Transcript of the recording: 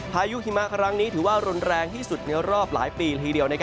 พายุหิมะครั้งนี้ถือว่ารุนแรงที่สุดในรอบหลายปีละทีเดียว